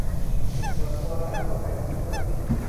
ส่วนตัวแล้วสนใจทุกเรื่อง